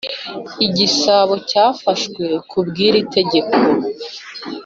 Igisambo cyafashwe kubw’iri tegeko